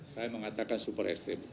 saya mengatakan super ekstrim